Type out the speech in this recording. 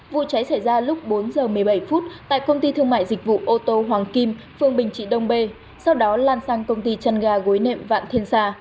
vụ cháy xảy ra lúc bốn h một mươi bảy phút tại công ty thương mại dịch vụ ô tô hoàng kim phường bình trị đông bê sau đó lan sang công ty chăn gà gối nệm vạn thiên sa